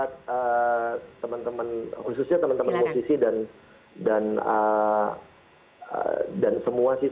terima kasih saya juga boleh berpesan buat teman teman khususnya teman teman musisi dan